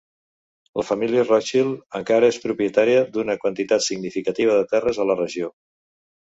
La família Rothschild encara és propietària d'una quantitat significativa de terres a la regió.